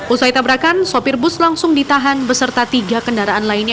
usai tabrakan sopir bus langsung ditahan beserta tiga kendaraan lainnya